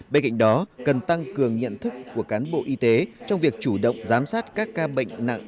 bên cạnh đó cần tăng cường nhận thức của cán bộ y tế trong việc chủ động giám sát các ca bệnh nặng